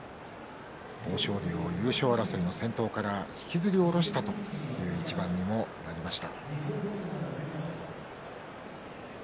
豊昇龍を優勝争いの先頭から引きずり下ろした一番でした。